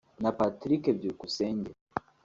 na Patrick Byukusenge